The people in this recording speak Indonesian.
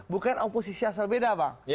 bukan oposisi asal beda bang